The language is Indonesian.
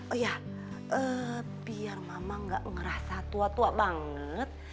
oh ya biar mama gak ngerasa tua tua banget